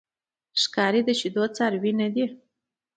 ښکاري د شیدو څاروی نه دی.